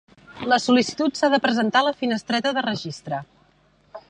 La sol·licitud s'ha de presentar a la finestreta de registre.